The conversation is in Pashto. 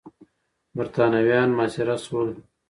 برتانويان محاصره سول.